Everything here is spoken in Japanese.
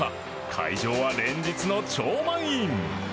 会場は連日の超満員。